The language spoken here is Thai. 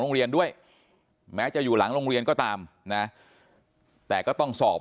โรงเรียนด้วยแม้จะอยู่หลังโรงเรียนก็ตามนะแต่ก็ต้องสอบ